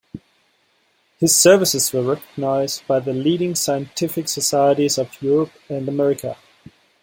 His services were recognised by the leading scientific societies of Europe and America.